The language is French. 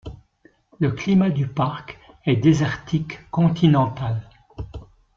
Le climat du parc est désertique continental.